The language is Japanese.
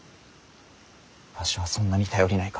わしはそんなに頼りないか。